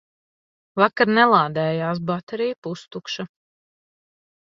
Vakar nelādējās, baterija pustukša.